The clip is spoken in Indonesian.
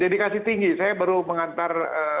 dedikasi tinggi saya baru mengantar